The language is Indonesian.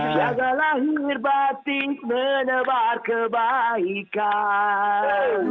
jaga lahir batik menebar kebaikan